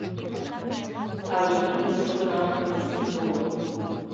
Авием деч кодынам изи тулык.